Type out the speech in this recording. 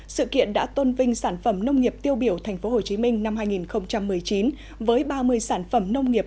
sự kiện đã tôn vinh sản phẩm nông nghiệp tiêu biểu tp hcm năm hai nghìn một mươi chín với ba mươi sản phẩm nông nghiệp